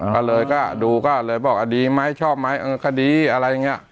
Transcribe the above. ก็เลยก็ดูก็เลยบอกดีไหมชอบไหมเออคดีอะไรอย่างนี้